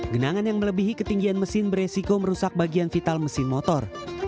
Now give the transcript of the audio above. genangan yang melebihi ketinggian mesin beresiko merusak bagian vital mesin motor